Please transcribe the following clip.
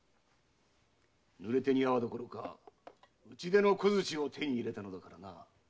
濡れ手に粟どころか打ち出の小槌を手に入れたのだからな。